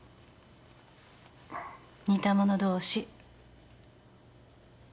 似た者同士。